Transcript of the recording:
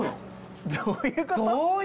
どういうこと！？